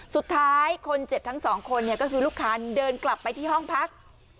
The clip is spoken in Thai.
สุดท้ายคนเจ็บทั้งสองคนก็คือลูกค้าเดินกลับไปที่ห้องพัก